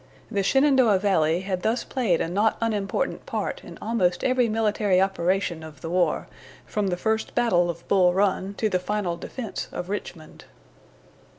The Shenandoah valley had thus played a not unimportant part in almost every military operation of the war, from the first battle of Bull Run to the final defense of Richmond.